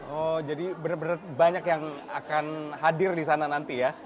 oh jadi benar benar banyak yang akan hadir di sana nanti ya